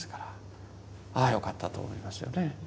ああよかったと思いますよね。